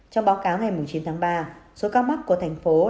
trong báo cáo ngày chín tháng ba số ca mắc của tp hcm